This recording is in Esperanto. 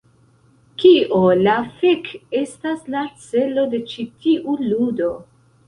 Kio la fek estas la celo de ĉi tiu ludo?